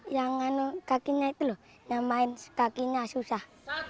yang kakinya itu loh namanya kakinya susah